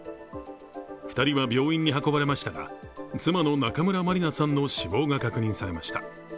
２人は病院に運ばれましたが、妻の中村まりなさんの死亡が確認されました。